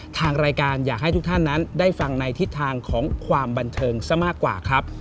ทางรายการอยากให้ทุกท่านนั้นได้ฟังในทิศทางของความบันเทิงซะมากกว่าครับ